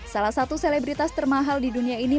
salah satu selebritas termahal di dunia ini